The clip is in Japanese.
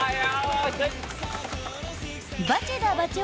バチェ田バチェ